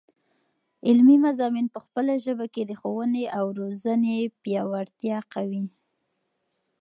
علمي مضامین په خپله ژبه کې، د ښوونې او روزني پیاوړتیا قوي.